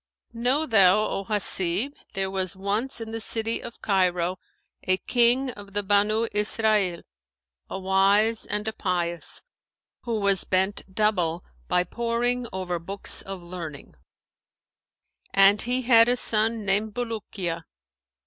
"Know thou, O Hasib, there was once in the city of Cairo a King of the Banu Isra'νl, a wise and a pious, who was bent double by poring over books of learning, and he had a son named Bulϊkiyα.